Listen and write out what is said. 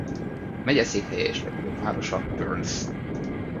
Megyeszékhelye és legnagyobb városa Burns.